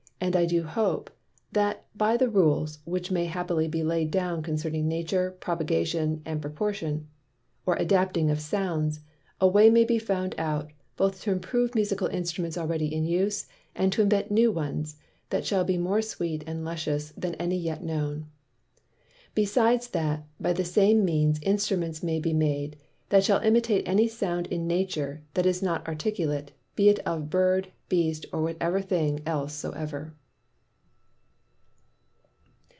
And I do hope, that by the Rules, which may happily be laid down concerning the Nature, Propagation and Proportion, or Adapting of Sounds, a way may be found out, both to improve Musical Instruments already in use, and to invent new ones, that shall be more sweet and luscious, than any yet known. Besides that, by the same means Instruments may be made, that shall imitate any Sound in Nature, that is not Articulate, be it of Bird, Beast, or what thing else soever.